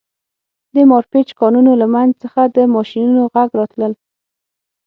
د مارپیچ کانونو له منځ څخه د ماشینونو غږونه راتلل